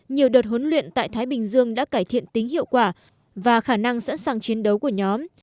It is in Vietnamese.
nhiều đợt huấn luyện tại thái bình dương đã cải thiện tính hiệu quả và khả năng sẵn sàng chiến đấu của nhóm